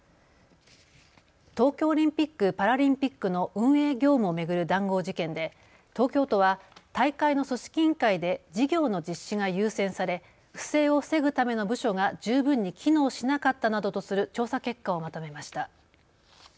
東京オリンピック・パラリンピックの運営業務を巡る談合事件で東京都は大会の組織委員会で事業の実施が優先され、不正を防ぐための部署が十分に機能しなかったなどとする調査結果をまとめました。